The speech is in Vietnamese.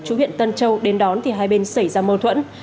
chú huyện tân châu đến đón thì hai bên xảy ra mâu thuẫn